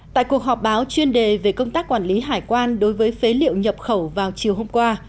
tại cuộc họp báo chuyên đề về công tác quản lý hải quan đối với phế liệu nhập khẩu vào chiều hôm qua